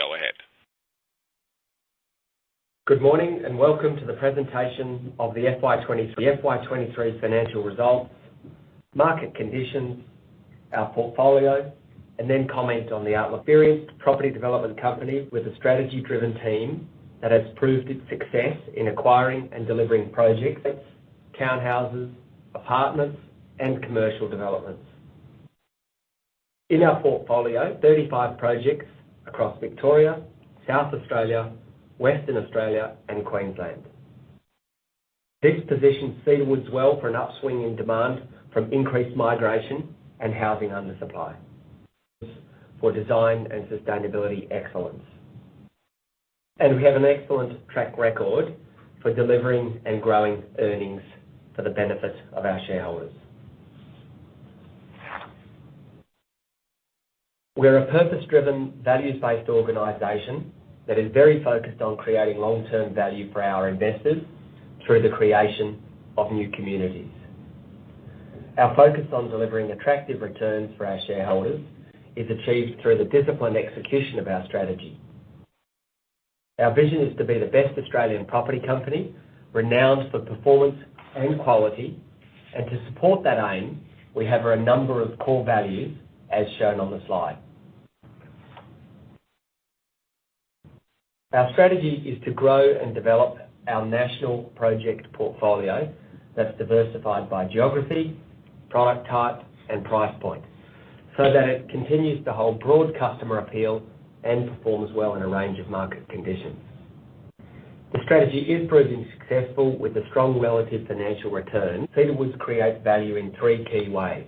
Please go ahead. Good morning, welcome to the presentation of the FY 2023. FY 2023 financial results, market conditions, our portfolio, and then comment on the outlook. We are a property development company with a strategy-driven team that has proved its success in acquiring and delivering projects, townhouses, apartments, and commercial developments. In our portfolio, 35 projects across Victoria, South Australia, Western Australia, and Queensland. This positions Cedar Woods well for an upswing in demand from increased migration and housing under supply. For design and sustainability excellence. We have an excellent track record for delivering and growing earnings for the benefit of our shareholders. We are a purpose-driven, values-based organization that is very focused on creating long-term value for our investors through the creation of new communities. Our focus on delivering attractive returns for our shareholders is achieved through the disciplined execution of our strategy. Our vision is to be the best Australian property company, renowned for performance and quality. To support that aim, we have a number of core values, as shown on the slide. Our strategy is to grow and develop our national project portfolio that's diversified by geography, product type, and price point, so that it continues to hold broad customer appeal and performs well in a range of market conditions. The strategy is proving successful with a strong relative financial return. Cedar Woods creates value in three key ways: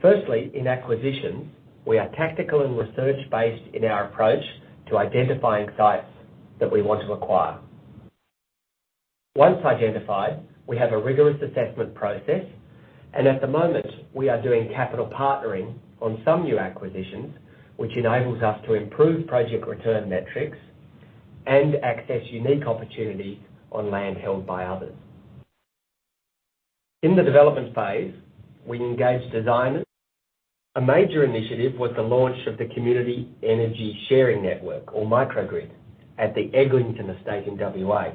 firstly, in acquisitions, we are tactical and research-based in our approach to identifying sites that we want to acquire. Once identified, we have a rigorous assessment process. At the moment, we are doing capital partnering on some new acquisitions, which enables us to improve project return metrics and access unique opportunities on land held by others. In the development phase, we engage designers. A major initiative was the launch of the Community Energy Sharing Network, or microgrid, at the Eglinton estate in WA,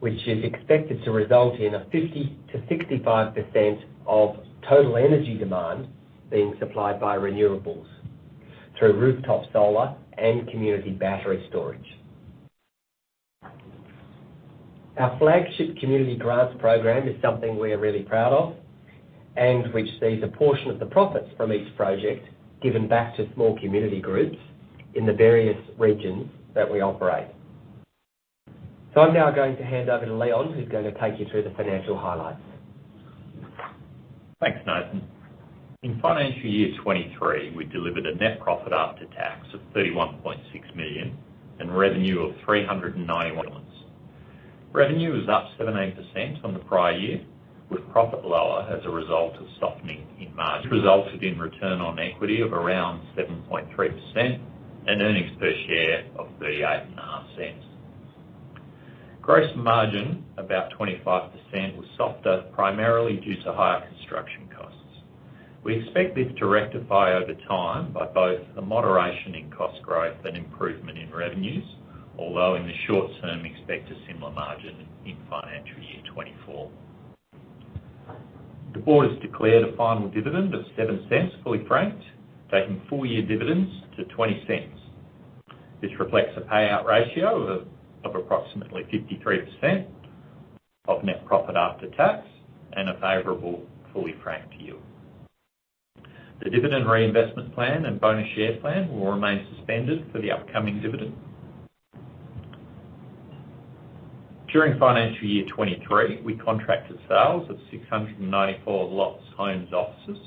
which is expected to result in a 50%-65% of total energy demand being supplied by renewables through rooftop solar and community battery storage. Our flagship Community Grants program is something we are really proud of, and which sees a portion of the profits from each project given back to small community groups in the various regions that we operate. I'm now going to hand over to Leon, who's going to take you through the financial highlights. Thanks, Nathan. In FY 2023, we delivered a Net Profit After Tax of 31.6 million and revenue of 391. Revenue was up 17% on the prior year, with profit lower as a result of softening in margin, resulted in Return on Equity of around 7.3% and Earnings Per Share of 0.385. Gross margin, about 25%, was softer, primarily due to higher construction costs. We expect this to rectify over time by both the moderation in cost growth and improvement in revenues, although in the short term, expect a similar margin in FY 2024. The board has declared a final dividend of 0.07, fully franked, taking full-year dividends to 0.20. This reflects a Payout Ratio of approximately 53% of Net Profit After Tax and a favorable fully franked yield. The dividend reinvestment plan and bonus share plan will remain suspended for the upcoming dividend. During financial year 2023, we contracted sales of 694 lots, homes, offices,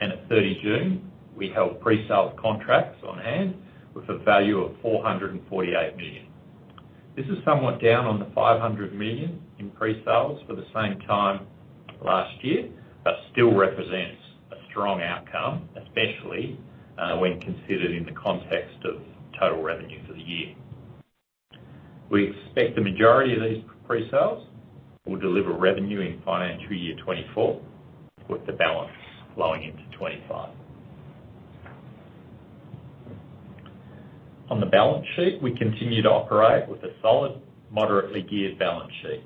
and at 30 June, we held pre-sale contracts on hand with a value of 448 million. This is somewhat down on the 500 million in pre-sales for the same time last year, but still represents a strong outcome, especially when considered in the context of total revenues for the year. We expect the majority of these pre-sales will deliver revenue in financial year 2024, with the balance flowing into 2025. On the balance sheet, we continue to operate with a solid, moderately geared balance sheet.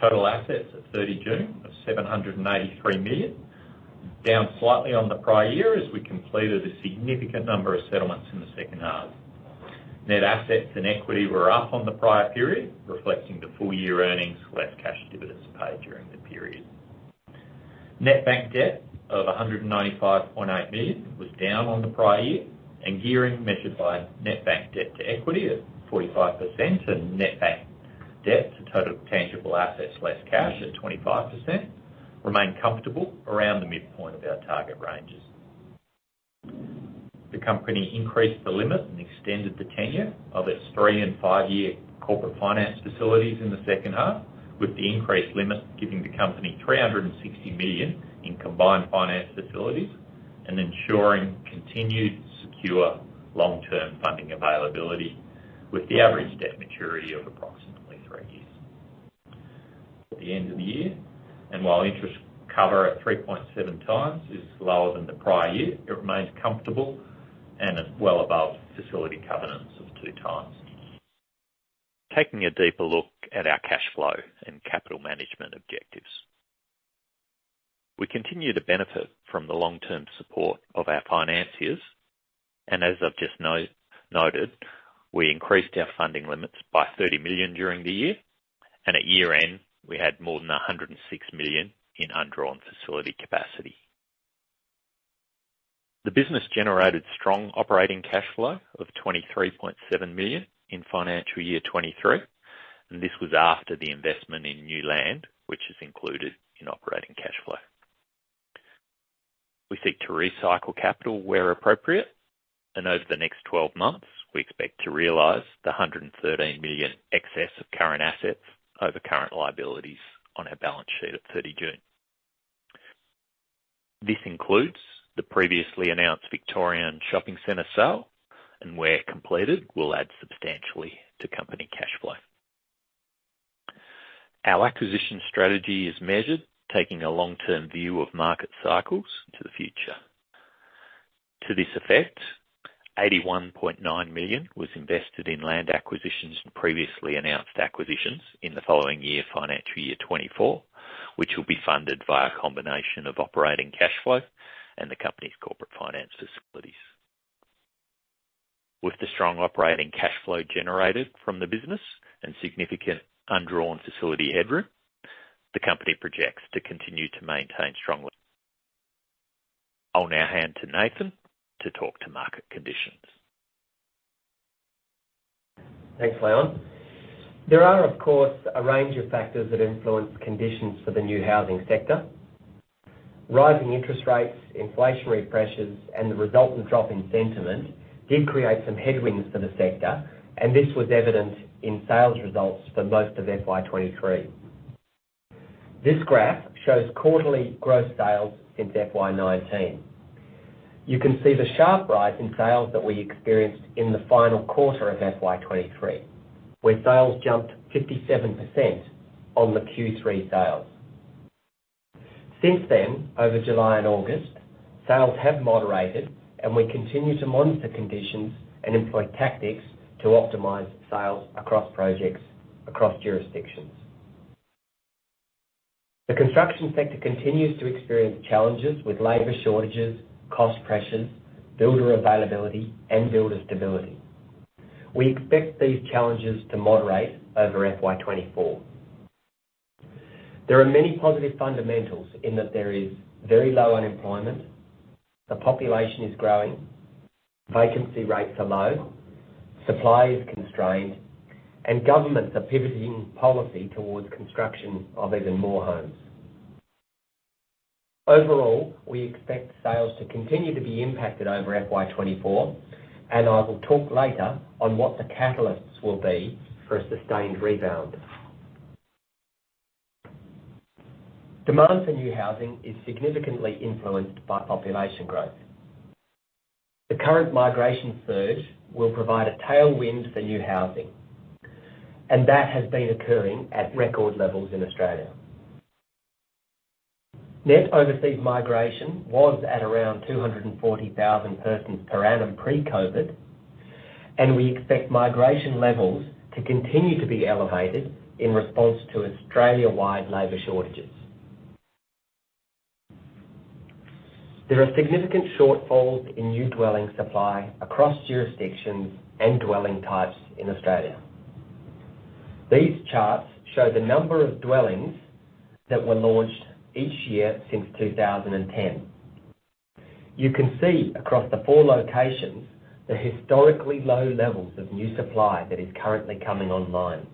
Total assets at 30 June of 783 million, down slightly on the prior year as we completed a significant number of settlements in the second half. Net assets and equity were up on the prior period, reflecting the full-year earnings, less cash dividends paid during the period. Net bank debt of 195.8 million was down on the prior year, and gearing measured by net bank debt to equity at 45%, and net bank debt to total tangible assets less cash at 25%, remain comfortable around the midpoint of our target ranges. The company increased the limit and extended the tenure of its three year and five-year corporate finance facilities in the second half, with the increased limit giving the company 360 million in combined finance facilities and ensuring continued secure long-term funding availability, with the average debt maturity of approximately [value] at the end of the year, and while interest cover at 3.7x is lower than the prior year, it remains comfortable and is well above facility covenants of 2x. Taking a deeper look at our cash flow and capital management objectives. We continue to benefit from the long-term support of our financiers. As I've just noted, we increased our funding limits by 30 million during the year, and at year-end, we had more than 106 million in undrawn facility capacity. The business generated strong operating cash flow of 23.7 million in financial year 2023. This was after the investment in new land, which is included in operating cash flow. We seek to recycle capital where appropriate. Over the next 12 months, we expect to realize the 113 million excess of current assets over current liabilities on our balance sheet at 30 June. This includes the previously announced Victorian Shopping Center sale, and where completed, will add substantially to company cash flow. Our acquisition strategy is measured, taking a long-term view of market cycles to the future. To this effect, 81.9 million was invested in land acquisitions and previously announced acquisitions in the following year, FY 2024, which will be funded by a combination of operating cash flow and the company's corporate finance facilities. With the strong operating cash flow generated from the business and significant undrawn facility headroom, the company projects to continue to maintain strong. I'll now hand to Nathan to talk to market conditions. Thanks, Leon. There are, of course, a range of factors that influence conditions for the new housing sector. Rising interest rates, inflationary pressures, and the resultant drop in sentiment did create some headwinds for the sector, and this was evident in sales results for most of FY 2023. This graph shows quarterly growth sales since FY 2019. You can see the sharp rise in sales that we experienced in the final quarter of FY 2023, where sales jumped 57% on the Q3 sales. Since then, over July and August, sales have moderated, and we continue to monitor conditions and employ tactics to optimize sales across projects, across jurisdictions. The construction sector continues to experience challenges with labor shortages, cost pressures, builder availability, and builder stability. We expect these challenges to moderate over FY 2024. There are many positive fundamentals in that there is very low unemployment, the population is growing, vacancy rates are low, supply is constrained, and governments are pivoting policy towards construction of even more homes. Overall, we expect sales to continue to be impacted over FY 2024. I will talk later on what the catalysts will be for a sustained rebound. Demand for new housing is significantly influenced by population growth. The current migration surge will provide a tailwind for new housing. That has been occurring at record levels in Australia. Net overseas migration was at around 240,000 persons per annum pre-COVID. We expect migration levels to continue to be elevated in response to Australia-wide labor shortages. There are significant shortfalls in new dwelling supply across jurisdictions and dwelling types in Australia. These charts show the number of dwellings that were launched each year since 2010. You can see across the four locations, the historically low levels of new supply that is currently coming online.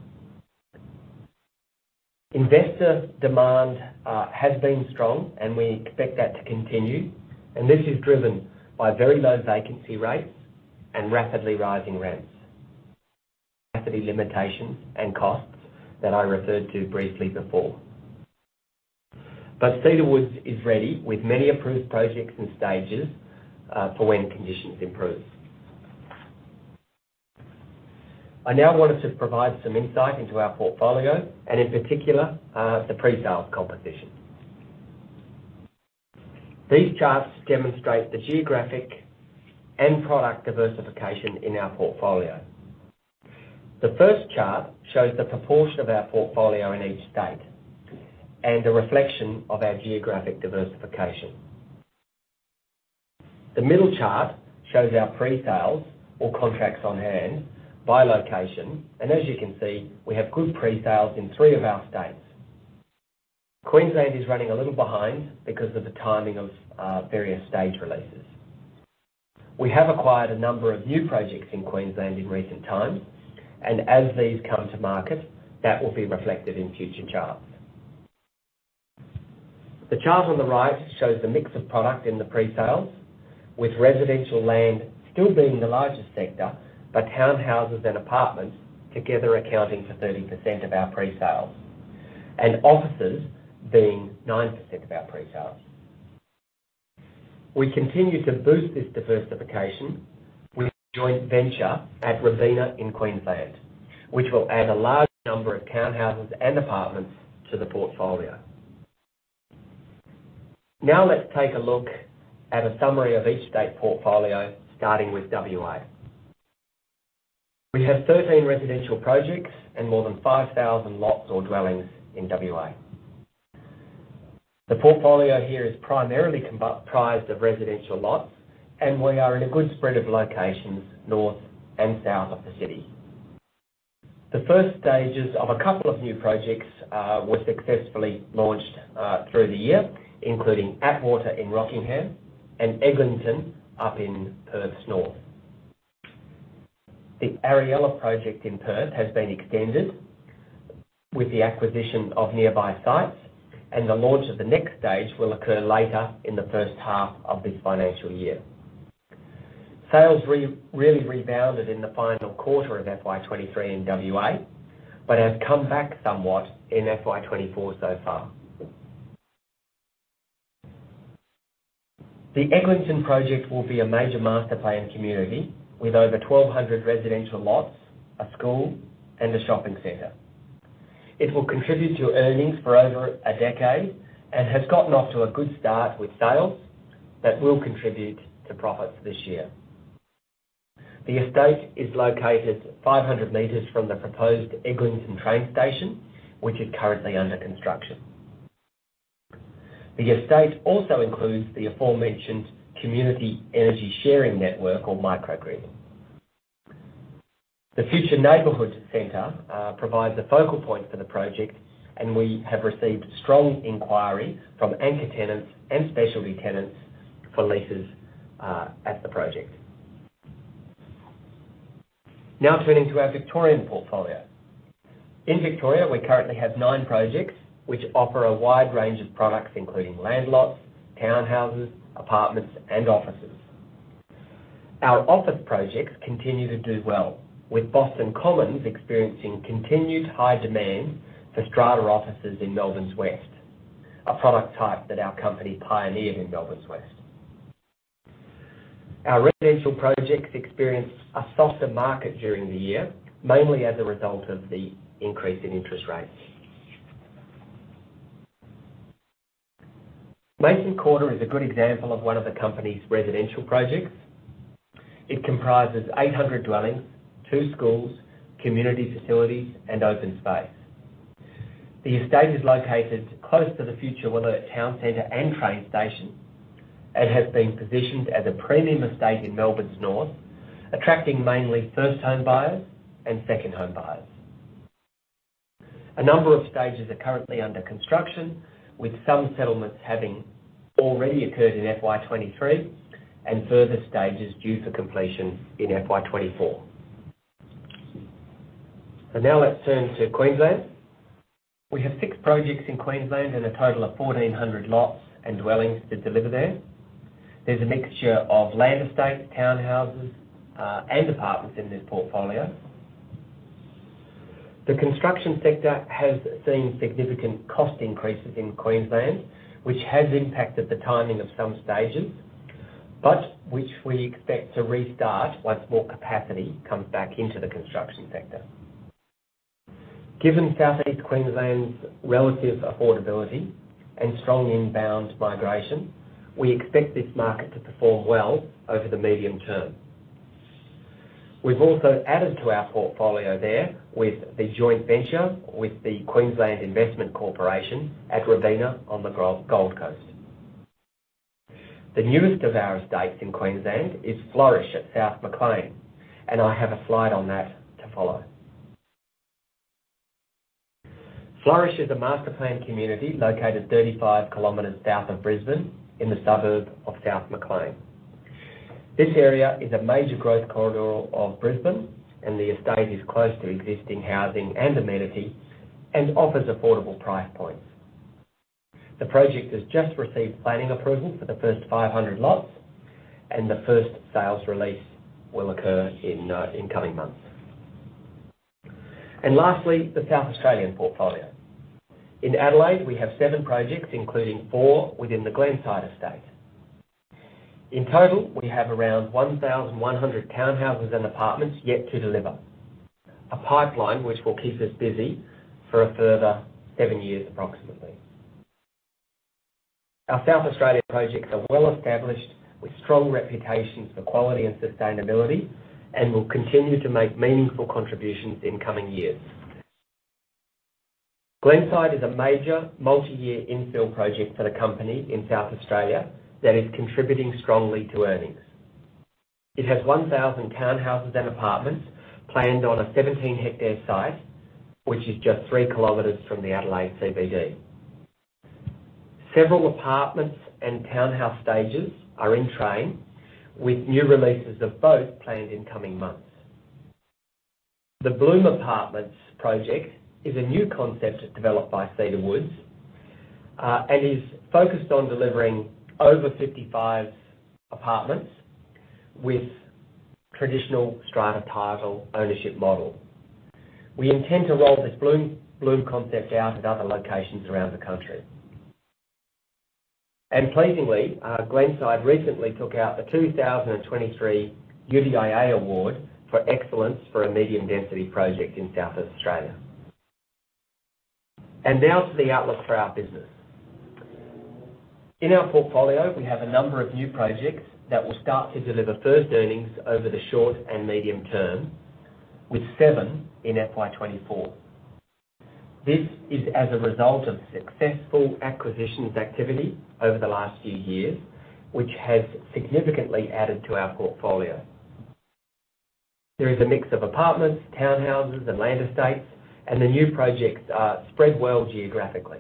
Investor demand has been strong, and we expect that to continue, and this is driven by very low vacancy rates and rapidly rising rents, capacity limitations and costs that I referred to briefly before. Cedar Woods is ready with many approved projects and stages for when conditions improve. I now wanted to provide some insight into our portfolio and in particular, the pre-sale competition. These charts demonstrate the geographic and product diversification in our portfolio. The first chart shows the proportion of our portfolio in each state and the reflection of our geographic diversification. The middle chart shows our pre-sales or contracts on hand by location, as you can see, we have good pre-sales in three of our states. Queensland is running a little behind because of the timing of various stage releases. We have acquired a number of new projects in Queensland in recent times, as these come to market, that will be reflected in future charts. The chart on the right shows the mix of product in the pre-sales, with residential land still being the largest sector, townhouses and apartments together accounting for 30% of our pre-sales, and offices being 9% of our pre-sales. We continue to boost this diversification with a joint venture at Robina in Queensland, which will add a large number of townhouses and apartments to the portfolio. Now let's take a look at a summary of each state portfolio, starting with WA. We have 13 residential projects and more than 5,000 lots or dwellings in WA. The portfolio here is primarily comprised of residential lots, and we are in a good spread of locations North and South of the city. The first stages of a couple of new projects were successfully launched through the year, including Atwater in Rockingham and Eglinton up in Perth North. The Ariella project in Perth has been extended with the acquisition of nearby sites, and the launch of the next stage will occur later in the first half of this financial year. Sales really rebounded in the final quarter of FY 2023 in WA, but have come back somewhat in FY 2024 so far. The Eglinton project will be a major master-planned community with over 1,200 residential lots, a school, and a shopping center. It will contribute to earnings for over a decade and has gotten off to a good start with sales that will contribute to profits this year. The estate is located 500 m from the proposed Eglinton train station, which is currently under construction. The estate also includes the aforementioned Community Energy Sharing Network, or microgrid. The future neighborhood center provides a focal point for the project, and we have received strong inquiry from anchor tenants and specialty tenants for leases at the project. Now turning to our Victorian portfolio. In Victoria, we currently have nine projects, which offer a wide range of products, including land lots, townhouses, apartments, and offices. Our office projects continue to do well, with Boston Commons experiencing continued high demand for strata offices in Melbourne's West, a product type that our company pioneered in Melbourne's West. Our residential projects experienced a softer market during the year, mainly as a result of the increase in interest rates. Mason Quarter is a good example of one of the company's residential projects. It comprises 800 dwellings, two schools, community facilities, and open space. The estate is located close to the future Wollert Town Center and train station and has been positioned as a premium estate in Melbourne's north, attracting mainly first-time buyers and second-home buyers. A number of stages are currently under construction, with some settlements having already occurred in FY 2023 and further stages due for completion in FY 2024. Now let's turn to Queensland. We have six projects in Queensland and a total of 1,400 lots and dwellings to deliver there. There's a mixture of land estate, townhouses, and apartments in this portfolio. The construction sector has seen significant cost increases in Queensland, which has impacted the timing of some stages, which we expect to restart once more capacity comes back into the construction sector. Given Southeast Queensland's relative affordability and strong inbound migration, we expect this market to perform well over the medium term. We've also added to our portfolio there with the joint venture with the Queensland Investment Corporation at Robina on the Gold Coast. The newest of our estates in Queensland is Flourish at South Maclean, I have a slide on that to follow. Flourish is a master-planned community located 35 km South of Brisbane in the suburb of South Maclean. This area is a major growth corridor of Brisbane, the estate is close to existing housing and amenities and offers affordable price points. The project has just received planning approval for the first 500 lots, and the first sales release will occur in coming months. Lastly, the South Australian portfolio. In Adelaide, we have seven projects, including four within the Glenside estate. In total, we have around 1,100 townhouses and apartments yet to deliver, a pipeline which will keep us busy for a further seven years, approximately. Our South Australian projects are well established with strong reputations for quality and sustainability and will continue to make meaningful contributions in coming years. Glenside is a major multi-year infill project for the company in South Australia that is contributing strongly to earnings. It has 1,000 townhouses and apartments planned on a 17-hectare site, which is just 3 km from the Adelaide CBD. Several apartments and townhouse stages are in train, with new releases of both planned in coming months. The Bloom project is a new concept developed by Cedar Woods and is focused on delivering over 55 apartments with traditional strata title ownership model. We intend to roll this Bloom concept out at other locations around the country. Pleasingly, Glenside recently took out the 2023 UDIA SA Award for Excellence for Medium Density Development. Now to the outlook for our business. In our portfolio, we have a number of new projects that will start to deliver first earnings over the short and medium term, with seven in FY 2024. This is as a result of successful acquisitions activity over the last few years, which has significantly added to our portfolio. There is a mix of apartments, townhouses, and land estates, and the new projects are spread well geographically.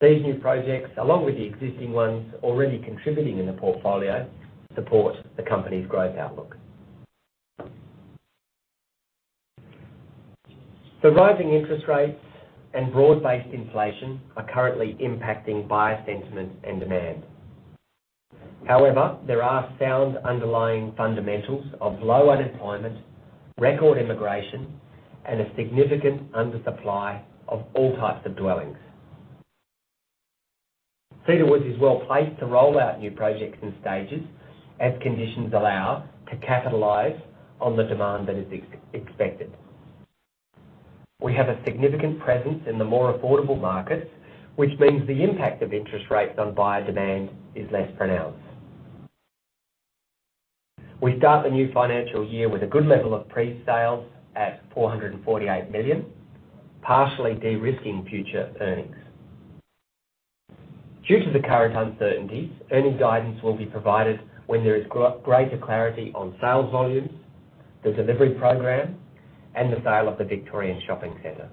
These new projects, along with the existing ones already contributing in the portfolio, support the company's growth outlook. Rising interest rates and broad-based inflation are currently impacting buyer sentiment and demand. However, there are sound underlying fundamentals of low unemployment, record immigration, and a significant undersupply of all types of dwellings. Cedar Woods is well placed to roll out new projects in stages as conditions allow, to capitalize on the demand that is expected. We have a significant presence in the more affordable markets, which means the impact of interest rates on buyer demand is less pronounced. We start the new financial year with a good level of pre-sales at 448 million, partially de-risking future earnings. Due to the current uncertainties, earning guidance will be provided when there is greater clarity on sales volumes, the delivery program, and the sale of the Victorian shopping center.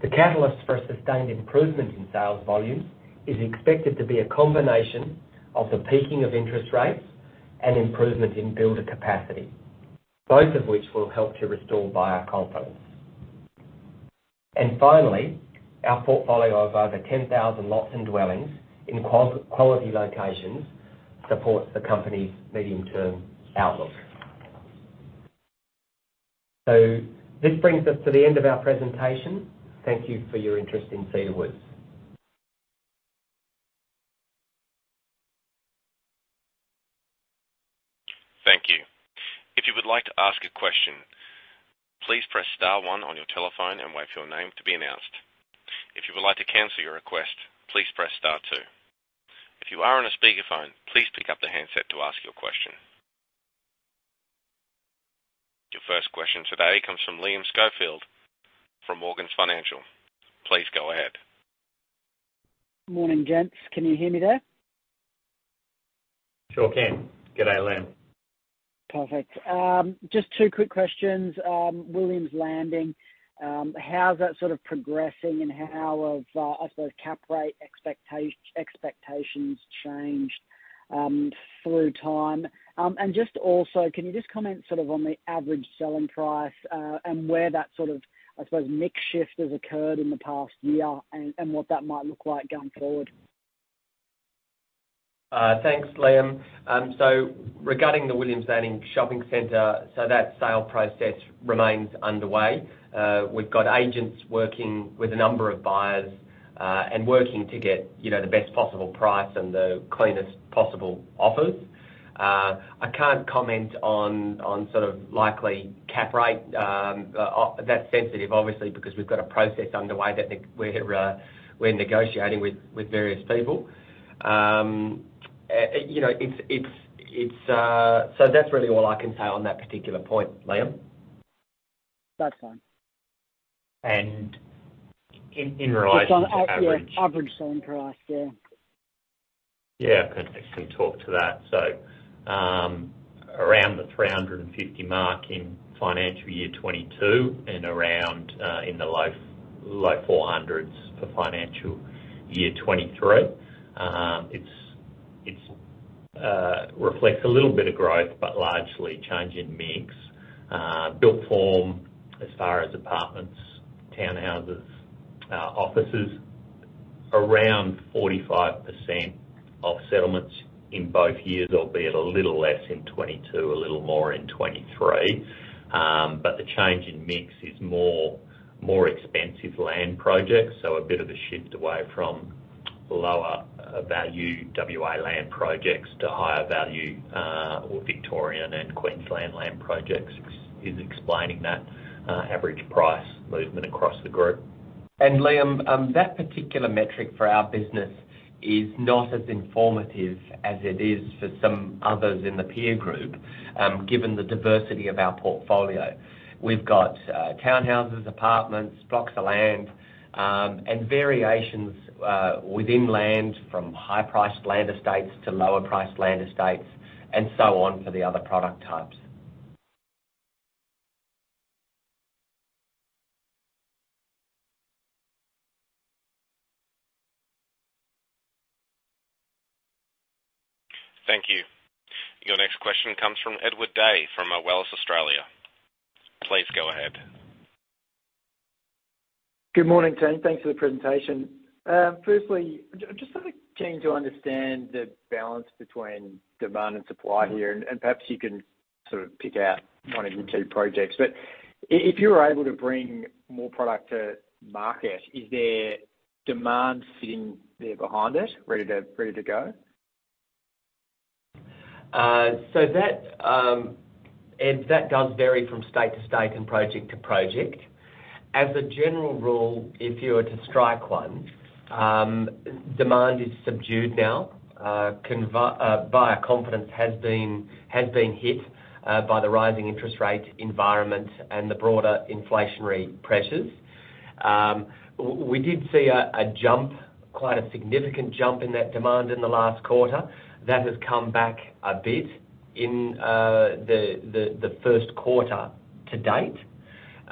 The catalyst for a sustained improvement in sales volumes is expected to be a combination of the peaking of interest rates and improvement in builder capacity, both of which will help to restore buyer confidence. Finally, our portfolio of over 10,000 lots and dwellings in quality locations supports the company's medium-term outlook. This brings us to the end of our presentation. Thank you for your interest in Cedar Woods. Thank you. If you would like to ask a question, please press star one on your telephone and wait for your name to be announced. If you would like to cancel your request, please press star two. If you are on a speakerphone, please pick up the handset to ask your question. Your first question today comes from Liam Schofield from Morgans Financial. Please go ahead. Morning, gents. Can you hear me there? Sure can. Good day, Liam. Perfect. Just two quick questions. Williams Landing, how's that sort of progressing, and how have cap rate expectations changed through time? Just also, can you just comment sort of on the average selling price, and where that sort of mix shift has occurred in the past year and what that might look like going forward? Thanks, Liam. Regarding the Williams Landing Shopping Centre, that sale process remains underway. We've got agents working with a number of buyers, and working to get, you know, the best possible price and the cleanest possible offers. I can't comment on, on sort of likely cap rate. That's sensitive, obviously, because we've got a process underway that we're negotiating with, with various people. You know, it's, it's, it's. That's really all I can say on that particular point, Liam. That's fine. In, in relation to average- Just on, yeah, average selling price, yeah. Yeah, I can actually talk to that. Around the 350 mark in FY 2022 and in the low, low 400s for FY 2023. It's, it's reflects a little bit of growth, but largely change in mix. Built form as far as apartments, townhouses, offices, around 45% of settlements in both years, albeit a little less in 2022, a little more in 2023. The change in mix is more, more expensive land projects. A bit of a shift away from lower value WA land projects to higher value, Victorian and Queensland land projects is, is explaining that average price movement across the group. Liam, that particular metric for our business is not as informative as it is for some others in the peer group, given the diversity of our portfolio. We've got, townhouses, apartments, blocks of land, and variations, within land, from high-priced land estates to lower-priced land estates, and so on for the other product types. Thank you. Your next question comes from Edward Deng, from Barrenjoey Australia. Please go ahead. Good morning, team. Thanks for the presentation. Firstly, just sort of keen to understand the balance between demand and supply here, and perhaps you can sort of pick out one of your two projects. But if you were able to bring more product to market, is there demand sitting there behind it, ready to, ready to go? That, Ed, that does vary from state to state and project to project. As a general rule, if you were to strike one, demand is subdued now. Buyer confidence has been, has been hit by the rising interest rate environment and the broader inflationary pressures. We did see a, a jump, quite a significant jump in that demand in the last quarter. That has come back a bit in the, the, the first quarter to date.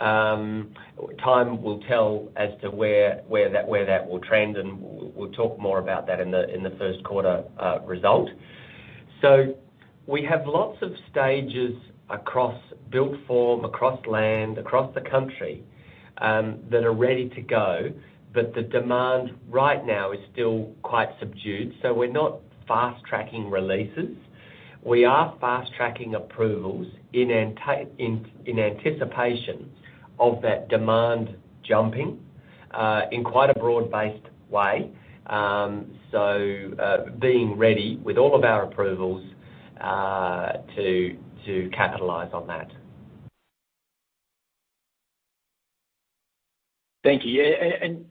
Time will tell as to where, where that, where that will trend, and we'll talk more about that in the, in the first quarter result. We have lots of stages across built form, across land, across the country that are ready to go, but the demand right now is still quite subdued, so we're not fast-tracking releases. We are fast-tracking approvals in anticipation of that demand jumping, in quite a broad-based way. Being ready with all of our approvals, to, to capitalize on that. Thank you.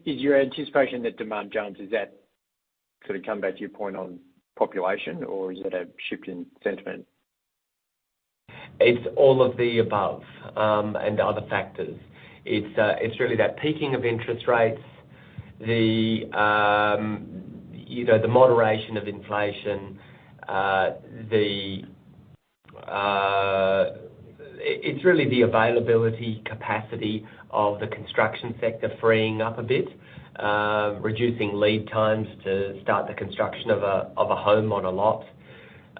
Is your anticipation that demand jumps, is that sort of come back to your point on population, or is it a shift in sentiment? It's all of the above and other factors. It's really that peaking of interest rates, the, you know, the moderation of inflation, it's really the availability, capacity of the construction sector freeing up a bit, reducing lead times to start the construction of a, of a home on a lot,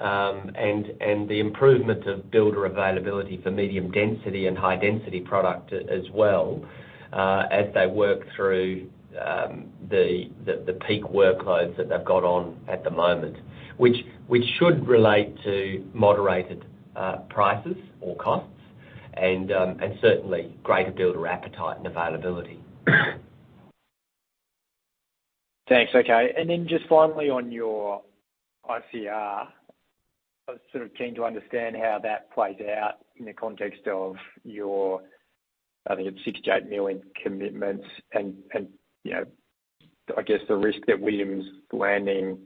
and the improvement of builder availability for medium density and high density product as well, as they work through the, the, the peak workloads that they've got on at the moment, which should relate to moderated prices or costs and certainly greater builder appetite and availability. Thanks. Okay, and then just finally on your ICR, I was sort of keen to understand how that plays out in the context of your, I think it's 68 million commitments and, you know, I guess the risk that Williams Landing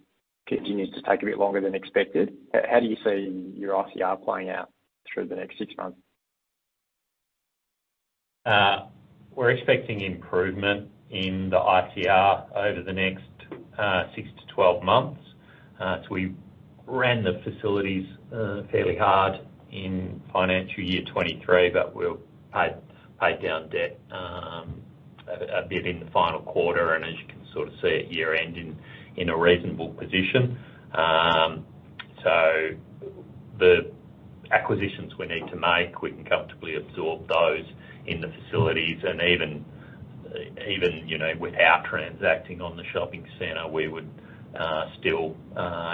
continues to take a bit longer than expected. How do you see your ICR playing out through the next six months? We're expecting improvement in the ICR over the next six months-12 months. We ran the facilities fairly hard in FY23, but we'll pay, pay down debt a, a bit in the final quarter, and as you can sort of see at year-end, in a reasonable position. The acquisitions we need to make, we can comfortably absorb those in the facilities, and even, even, you know, without transacting on the shopping center, we would still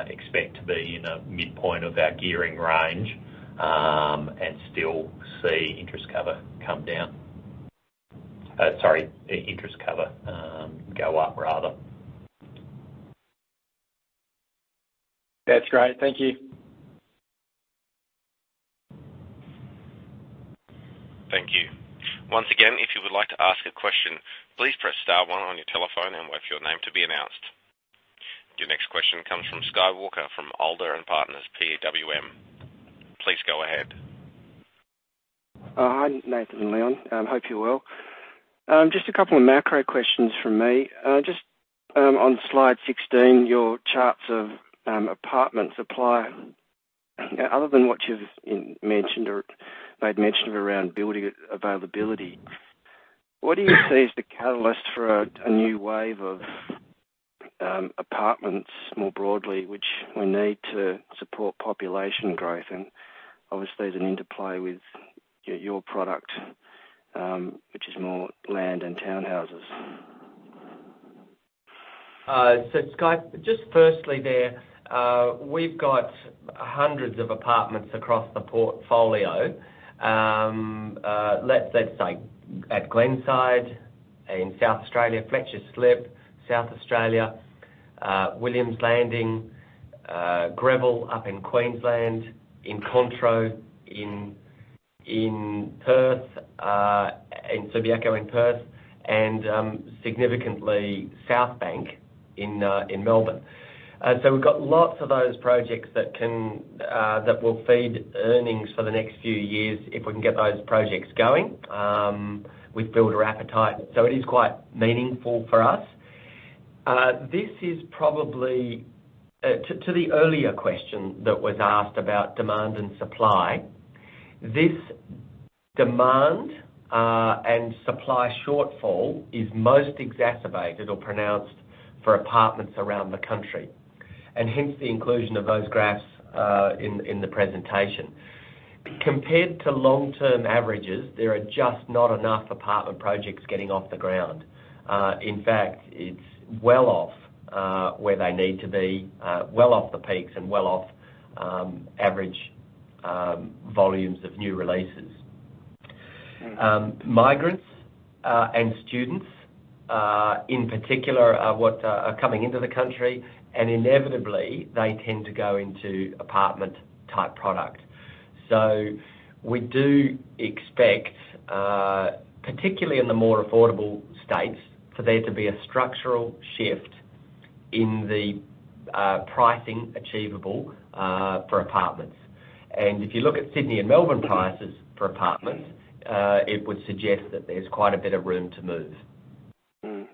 expect to be in a midpoint of our gearing range, and still see interest cover come down. Sorry, interest cover go up rather. That's great. Thank you. Thank you. Once again, if you would like to ask a question, please press star one on your telephone and wait for your name to be announced. Your next question comes from Sky Walker, from Alder & Partners, PWM. Please go ahead. Hi, Nathan and Leon. Hope you're well. Just two of macro questions from me. Just on slide 16, your charts of apartment supply, other than what you've mentioned or made mention of around building availability, what do you see as the catalyst for a new wave of apartments more broadly, which we need to support population growth? Obviously, there's an interplay with your product, which is more land and townhouses. Sky, just firstly there, we've got hundreds of apartments across the portfolio. Let's, let's say at Glenside in South Australia, Fletcher's Slip, South Australia, Williams Landing, Greville up in Queensland, Incontro, in Perth, in Subiaco, in Perth, and significantly, Southbank in Melbourne. We've got lots of those projects that can, that will feed earnings for the next few years if we can get those projects going with builder appetite. It is quite meaningful for us. This is probably to the earlier question that was asked about demand and supply, this demand and supply shortfall is most exacerbated or pronounced for apartments around the country. Hence the inclusion of those graphs in the presentation. Compared to long-term averages, there are just not enough apartment projects getting off the ground. In fact, it's well off where they need to be, well off the peaks and well off average volumes of new releases. Migrants and students in particular are what are coming into the country, and inevitably, they tend to go into apartment-type product. We do expect particularly in the more affordable states, for there to be a structural shift in the pricing achievable for apartments. If you look at Sydney and Melbourne prices for apartments, it would suggest that there's quite a bit of room to move. Mm.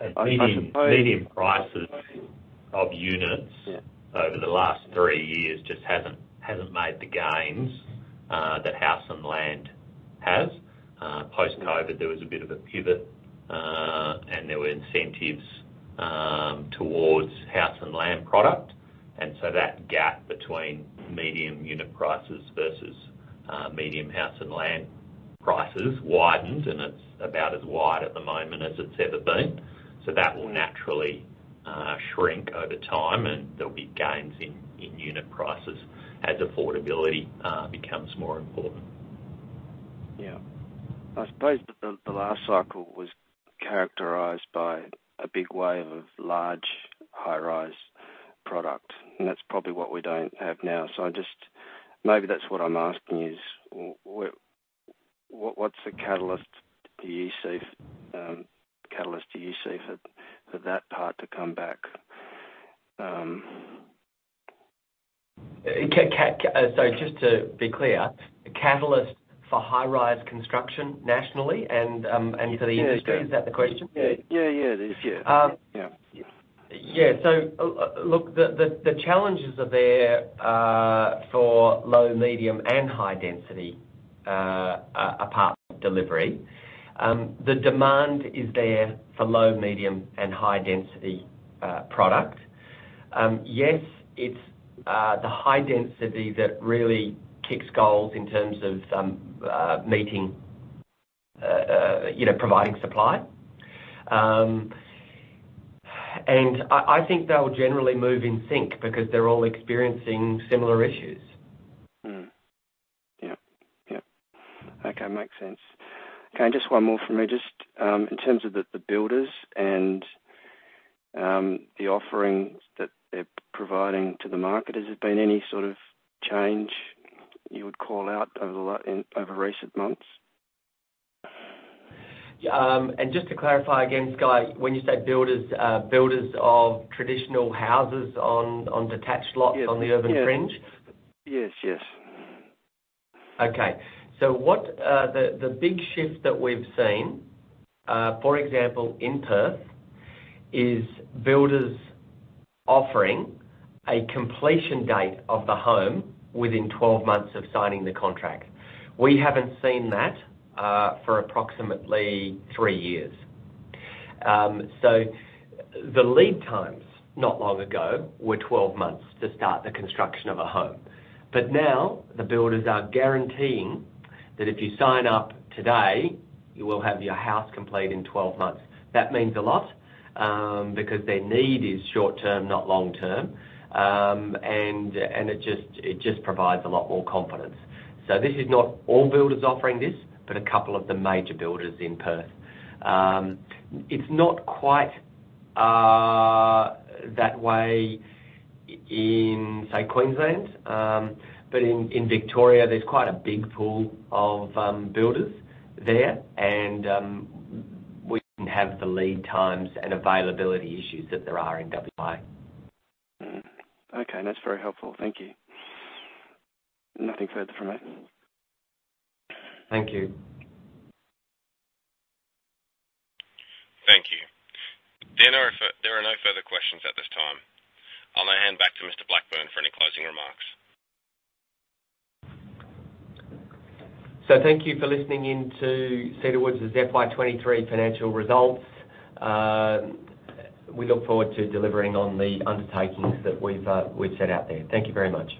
I suppose- Medium prices of units- Yeah over the last three years just hasn't, hasn't made the gains that house and land has. Post-COVID, there was a bit of a pivot, there were incentives towards house and land product. That gap between medium unit prices versus medium house and land prices widened, and it's about as wide at the moment as it's ever been. That will naturally shrink over time, and there'll be gains in unit prices as affordability becomes more important. Yeah. I suppose the, the last cycle was characterized by a big wave of large high-rise product, and that's probably what we don't have now. I just-- maybe that's what I'm asking is, w-w-what, what's the catalyst do you see, catalyst do you see for, for that part to come back? Just to be clear, the catalyst for high-rise construction nationally and, and for the industry. Yeah. Is that the question? Yeah. Yeah, it is. Yeah. Um- Yeah. Yeah. Look, the, the, the challenges are there for low, medium, and high density apartment delivery. The demand is there for low, medium, and high density product. Yes, it's the high density that really kicks goals in terms of meeting, you know, providing supply. I, I think they'll generally move in sync because they're all experiencing similar issues. Mm. Yep. Yep. Okay, makes sense. Okay, just one more from me. Just, in terms of the, the builders and, the offerings that they're providing to the market, has there been any sort of change you would call out over recent months? Just to clarify again, Sky, when you say builders, builders of traditional houses on, on detached lots? Yes. on the urban fringe? Yes, yes. What the big shift that we've seen, for example, in Perth, is builders offering a completion date of the home within 12 months of signing the contract. We haven't seen that for approximately three years. The lead times, not long ago, were 12 months to start the construction of a home. Now, the builders are guaranteeing that if you sign up today, you will have your house complete in 12 months. That means a lot because their need is short term, not long term. It just, it just provides a lot more confidence. This is not all builders offering this, but a couple of the major builders in Perth. It's not quite, that way in, say, Queensland, but in, in Victoria, there's quite a big pool of builders there, and we don't have the lead times and availability issues that there are in WA. Okay, that's very helpful. Thank you. Nothing further from me. Thank you. Thank you. There are there are no further questions at this time. I'll now hand back to Mr. Blackburne for any closing remarks. Thank you for listening in to Cedar Woods' FY 2023 financial results. We look forward to delivering on the undertakings that we've we've set out there. Thank you very much.